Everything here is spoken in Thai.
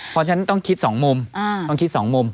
เพราะฉะนั้นต้องคิดสองมุม